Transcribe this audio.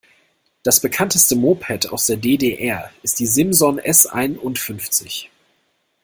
Das Bekannteste Moped aus der D-D-R ist die Simson S einundfünfzig.